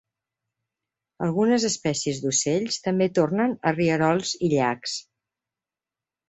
Algunes espècies d'ocells també tornen a rierols i llacs.